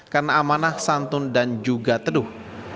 karena amanah santun dan juga teduh